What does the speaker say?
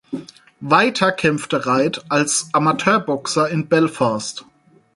Weiter kämpfte Reid als Amateurboxer in Belfast.